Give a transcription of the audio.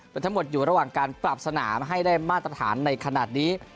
แต่ทั้งหมดอยู่ระหว่างการปรับสนามให้ได้มาตรฐานในขณะนี้